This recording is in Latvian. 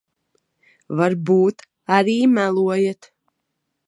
Varbūt arī melojat.